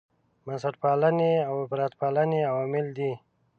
بنسټپالنې او افراطپالنې عوامل دي.